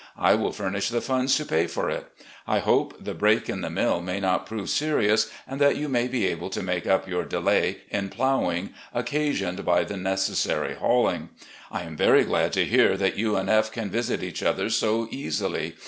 I will furnish the funds to pay for it. I hope the break in the mill may not prove serious, and that you may be able to make up your delay in plowing occasioned by the necessary hauling. I am very glad to hear that you and F can visit each other so easily.